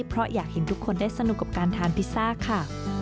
เพราะอยากเห็นทุกคนได้สนุกกับการทานพิซซ่าค่ะ